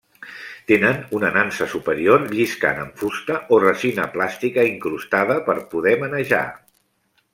Tenen una nansa superior lliscant amb fusta o resina plàstica incrustada per poder manejar.